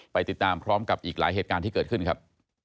ไปติดตามพร้อมกับอีกหลายเหตุการณ์ที่เกิดขึ้นครับ